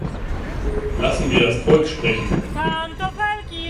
Lassen wir das Volk sprechen.